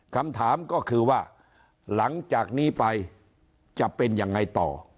คำถามก็คือว่าหลังจากนี้ไปจะเป็นยังไงต่อ